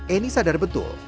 eni sadar betul